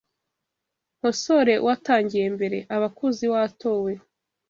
nkosore watangiye mbere, abakuzi watowe